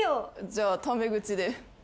じゃあタメ口で。